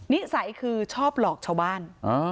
นิสัยคือชอบหลอกชาวบ้าน